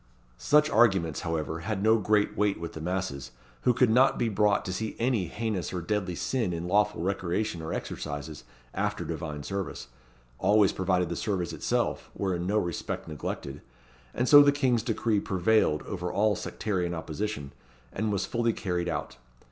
Such arguments, however, had no great weight with the masses, who could not be brought to see any heinous or deadly sin in lawful recreation or exercises after divine service, always provided the service itself were in no respect neglected; and so the King's decree prevailed over all sectarian opposition, and was fully carried out.